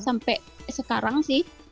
sampai sekarang sih